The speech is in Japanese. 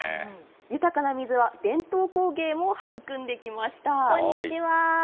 豊かな水は伝統工芸も育んできました。